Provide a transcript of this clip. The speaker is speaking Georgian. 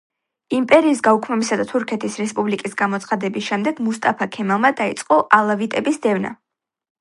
იმპერიის გაუქმებისა და თურქეთის რესპუბლიკის გამოცხადების შემდეგ მუსტაფა ქემალმა დაიწყო ალავიტების დევნა.